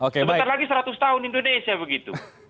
sebentar lagi seratus tahun indonesia begitu